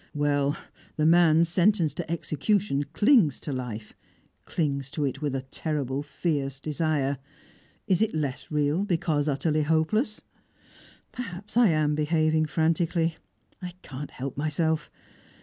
Well, the man sentenced to execution clings to life, clings to it with a terrible fierce desire; is it less real because utterly hopeless? Perhaps I am behaving frantically; I can't help myself.